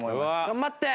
頑張って！